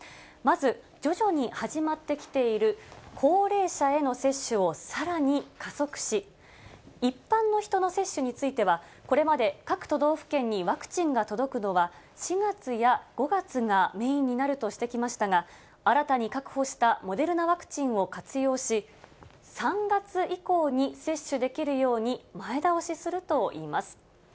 まず徐々に始まってきている高齢者への接種をさらに加速し、一般の人の接種については、これまで各都道府県にワクチンが届くのは４月や５月がメインになるとしてきましたが、新たに確保したモデルナワクチンを活用し、３月以降に接種できるように前倒しするといいます。